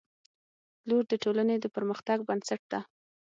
• لور د ټولنې د پرمختګ بنسټ ده.